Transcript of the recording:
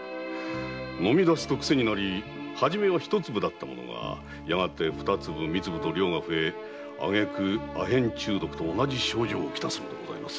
飲みだすと癖になり始めは一粒だったものがやがて量が増えあげく阿片中毒と同じ症状を来すのです。